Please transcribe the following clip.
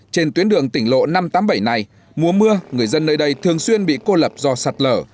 trên tuyến đường tỉnh lộ năm trăm tám mươi bảy này mùa mưa người dân nơi đây thường xuyên bị cô lập do sạt lở